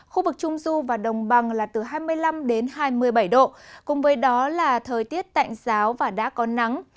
khu vực trung du và đồng bằng là từ hai mươi năm đến hai mươi bảy độ cùng với đó là thời tiết tạnh giáo và đã có nắng